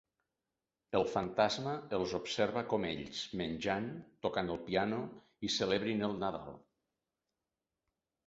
El fantasma els observa com ells menjant, tocant el piano i celebrin el nadal.